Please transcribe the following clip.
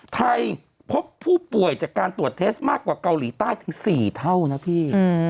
ไทยพบผู้ป่วยจากการตรวจเทสมากกว่าเกาหลีใต้ถึง๔เท่านะพี่